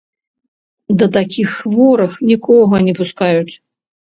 Да такіх хворых нікога не пускаюць.